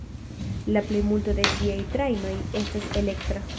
La plejmulto de ĝiaj trajnoj estas elektraj.